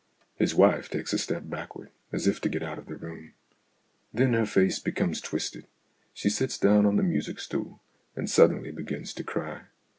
His wife takes a step backward, as if to get out of the room. Then her face becomes twisted, she sits down on the music stool, and suddenly begins to cry.